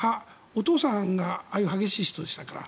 お父さんがああいう激しい人でしたから。